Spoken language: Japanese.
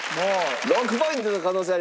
６ポイントの可能性あります。